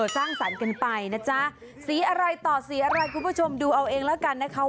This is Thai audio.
สร้างสรรค์กันไปนะจ๊ะสีอะไรต่อสีอะไรคุณผู้ชมดูเอาเองแล้วกันนะคะ